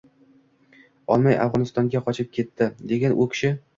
olmay, Afg‘onistonga qochib ketdi. Lekin u kishi